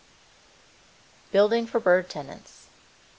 152 BUILDING FOR BIRD TENANTS.